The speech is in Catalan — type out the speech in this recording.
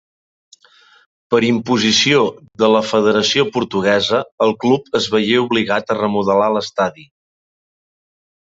Per imposició de la Federació Portuguesa, el club es veié obligat a remodelar l'estadi.